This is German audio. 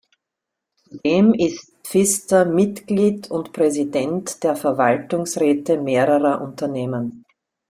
Zudem ist Pfister Mitglied und Präsident der Verwaltungsräte mehrerer Unternehmen.